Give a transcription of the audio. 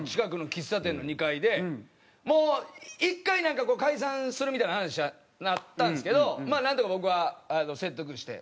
もう１回解散するみたいな話になったんですけどなんとか僕は説得して。